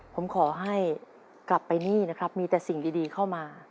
ผมขอให้กลับไปนี่นะครับมีแต่สิ่งดีเข้ามา